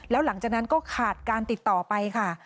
แล้วหลังจากนั้นก็ขาดการติดต่อไปค่ะ